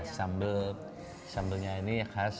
sambelnya ini khas